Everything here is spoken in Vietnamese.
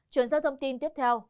chuyển sang thông tin tiếp theo